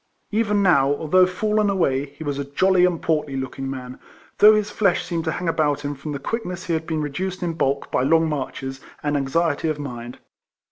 Even now, although fiillen away, he was a jolly and portly looking man, though his flesh seemed to hang about him from the quickness he had been reduced in bulk by long marches, and anxiety of mind.